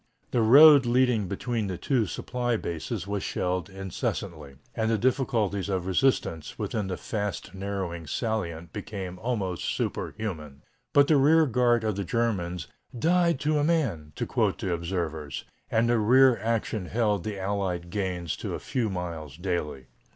The road leading between the two supply bases was shelled incessantly, and the difficulties of resistance within the fast narrowing salient became almost superhuman. But the rear guard of the Germans "died to a man," to quote the observers, and the rear action held the Allied gains to a few miles daily.